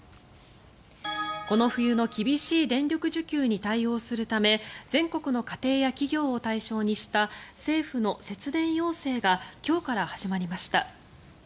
この冬の厳しい電力需給に対応するため全国の家庭や企業を対象にした政府の節電要請が今日から始まりました。